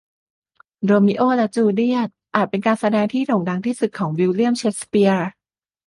โรมิโอและจูเลียตอาจเป็นการแสดงที่โด่งดังที่สุดของวิลเลียมเชกสเปียร์